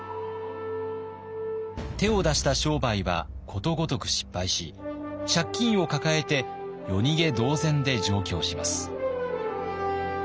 手を出した商売はことごとく失敗し借金を抱えて夜逃げ同然で上京します。